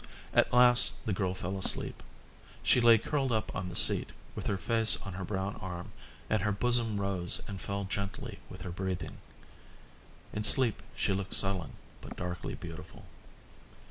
At last the girl fell asleep. She lay curled up on the seat, with her face on her brown arm, and her bosom rose and fell gently with her breathing. In sleep she looked sullen, but darkly beautiful.